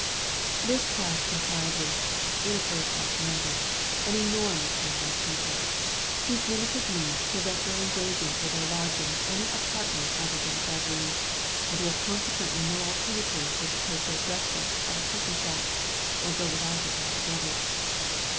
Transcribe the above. This class comprises, in a place like London, an enormous number of people, whose limited means prevent their engaging for their lodgings any other apartment than a bedroom, and who have consequently no alternative but to take their breakfasts at a coffee shop, or go without it altogether.